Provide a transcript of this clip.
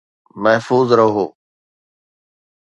محفوظ رهو